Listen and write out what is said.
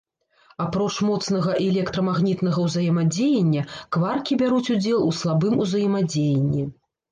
Апроч моцнага і электрамагнітнага ўзаемадзеяння, кваркі бяруць удзел у слабым узаемадзеянні.